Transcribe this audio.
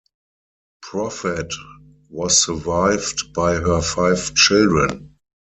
Prophet was survived by her five children.